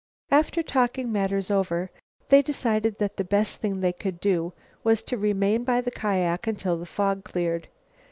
After talking matters over they decided that the best thing they could do was to remain by the kiak until the fog cleared.